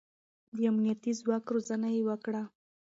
د امنيتي ځواک روزنه يې وکړه.